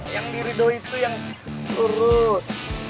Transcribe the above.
yang diridoi itu yang lurus